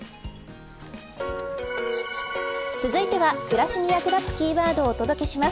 続いては暮らしに役立つキーワードをお届けします。